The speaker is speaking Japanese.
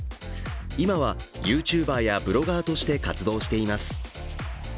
今はＹｏｕＴｕｂｅｒやブロガーとして活動しています